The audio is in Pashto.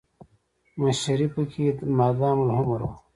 مشري پکې مادام العمر وه.